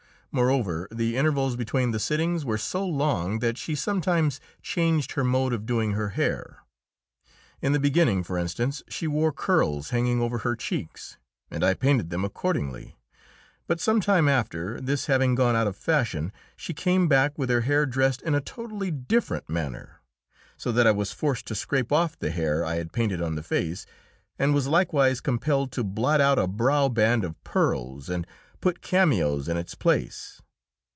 Moreover, the intervals between the sittings were so long that she sometimes changed her mode of doing her hair. In the beginning, for instance, she wore curls hanging over her cheeks, and I painted them accordingly; but some time after, this having gone out of fashion, she came back with her hair dressed in a totally different manner, so that I was forced to scrape off the hair I had painted on the face, and was likewise compelled to blot out a brow band of pearls and put cameos in its place.